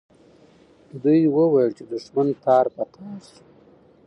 دوی وویل چې دښمن تار په تار سو.